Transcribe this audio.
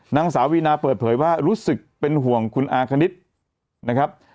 นางสาววีนาเปิดเผยว่ารู้สึกเป็นห่วงคุณอาคณิตนะครับ